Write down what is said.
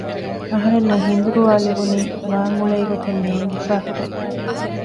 އަހަރެންނަށް ހިންދިރުވާލެވުނީ ވާންއުޅޭ ގޮތެއް ނޭނގިފައި ހުރޭ